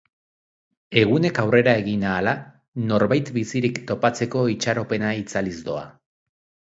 Egunek aurrera egin ahala, norbait bizirik topatzeko itxaropena itzaliz doa.